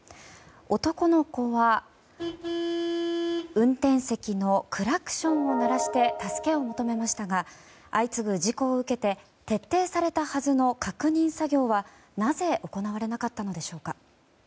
男の子は運転席のクラクションを鳴らして助けを求めましたが相次ぐ事故を受けて徹底されたはずの確認作業はなぜ行われなかったのでしょうか。